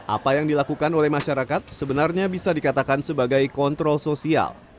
apa yang dilakukan oleh masyarakat sebenarnya bisa dikatakan sebagai kontrol sosial